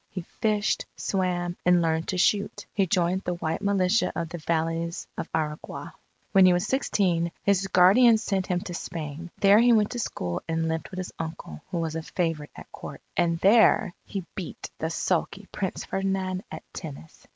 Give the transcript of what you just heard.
He fished, swam, and learned to shoot. He joined the White Militia of the Valleys of Aragua. When he was sixteen, his guardian sent him to Spain. There he went to school and lived with his uncle, who was a favourite at Court. And there, he beat the sulky Prince Ferdinand at tennis.